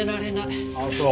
あっそう。